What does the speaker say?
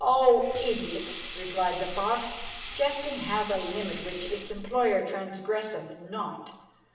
"O idiot!" replied the fox, "jesting hath a limit which its employer transgresseth not.